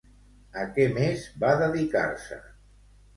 A què més va dedicar-se?